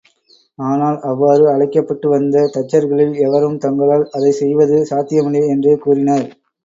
ஆனால், அவ்வாறு அழைக்கப்பட்டு வந்த தச்சர்களில் எவரும் தங்களால் அதைச் செய்வது சாத்தியமில்லை என்றே கூறினர்.